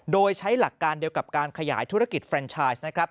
โดยใช้หลักการเดียวกับการขยายธุรกิจเฟรนชายนะครับ